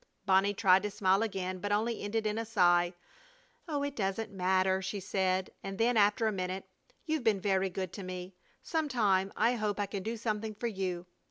Bonnie tried to smile again, but only ended in a sigh. "Oh, it doesn't matter," she said, and then, after a minute, "You've been very good to me. Some time I hope I can do something for you.